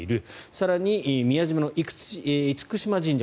更に、宮島の厳島神社